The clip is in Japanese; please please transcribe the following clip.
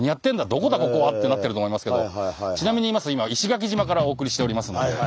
どこだここは？」ってなってると思いますけどちなみに言いますと今石垣島からお送りしておりますので。